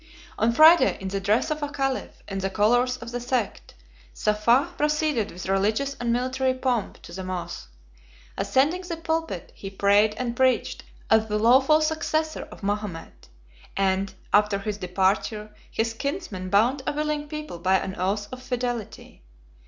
On Friday, in the dress of a caliph, in the colors of the sect, Saffah proceeded with religious and military pomp to the mosch: ascending the pulpit, he prayed and preached as the lawful successor of Mahomet; and after his departure, his kinsmen bound a willing people by an oath of fidelity.